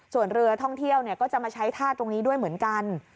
ส่วนเรือท่องเที่ยวก็จะมาใช้ท่าตรงนี้ด้วยเหมือนกัน